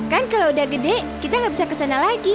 kan kalau udah gede kita nggak bisa ke sana lagi